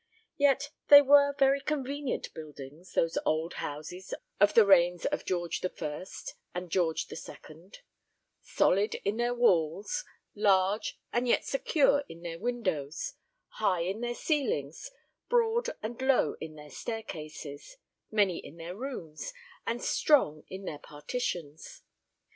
Yet they were very convenient buildings, those old houses of the reigns of George the First and George the Second; solid in their walls, large and yet secure in their windows, high in their ceilings, broad and low in their staircases, many in their rooms, and strong in their partitions.